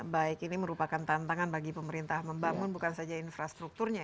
baik ini merupakan tantangan bagi pemerintah membangun bukan saja infrastrukturnya